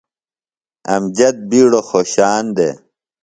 امجد بِیڈو خوشان دےۡ۔